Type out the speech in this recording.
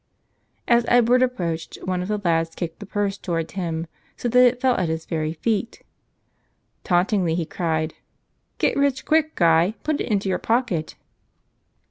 As Edward approached, one of the lads kicked the purse toward him so that it fell at his very feet. Taunt¬ ingly he cried out, "Get rich quick, guy! Put it into your pocket!"